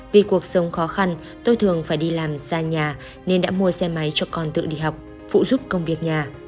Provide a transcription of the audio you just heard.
vì cuộc sống khó khăn tôi thường phải đi làm xa nhà nên đã mua xe máy cho con tự đi học phụ giúp công việc nhà